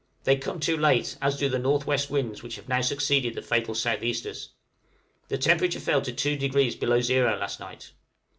They come too late, as do also the N.W. winds which have now succeeded the fatal south easters. The temperature fell to 2° below zero last night.